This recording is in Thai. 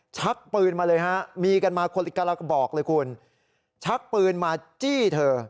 ชักปืนมาเลยฮะมีกันมาคนละกระบอกเลยคุณชักปืนมาจี้เธอ